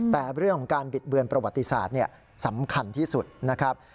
แต่เรื่องของการบิดเบือนประวัติศาสตร์สำคัญที่สุดนะครับ